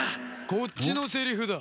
こっちのセリフだ。